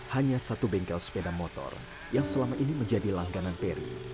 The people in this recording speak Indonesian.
hanya satu bengkel sepeda motor yang selama ini menjadi langganan peri